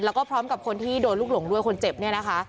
แล้วก็พร้อมกับคนที่โดนลูกหลงด้วยคนเจ็บเนี่ยนะคะ